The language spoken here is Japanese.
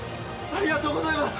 ありがとうございます！